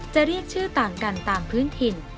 จะเรียกชื่อต่างกันตามพื้นถิ่น